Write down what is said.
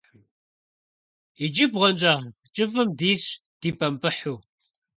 Иджы бгъуэнщӀагъ кӀыфӀым дисщ, дибэмпӀыхьу.